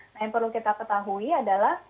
nah yang perlu kita ketahui adalah